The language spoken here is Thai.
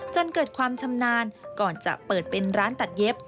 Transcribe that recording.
จนเกิดความชำนาญก่อนจะเปิดเป็นร้านตัดเย็บ